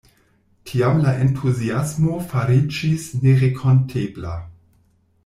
Tiam la entuziasmo fariĝis nerakontebla.